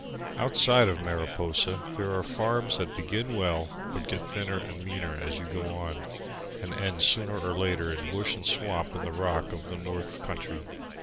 Outside of Mariposa there are farms that begin well but get thinner and meaner as you go on, and end sooner or later in bush and swamp and the rock of the north country.